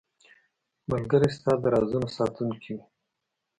ملګری ستا د رازونو ساتونکی وي.